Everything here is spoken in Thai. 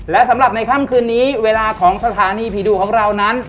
และสำหรับในค่ำคืนนี้เวลาของสถานีผีดุของเรานั้น